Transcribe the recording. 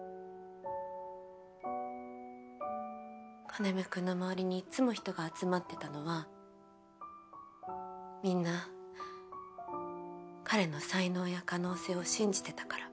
要くんの周りにいつも人が集まってたのはみんな彼の才能や可能性を信じてたから。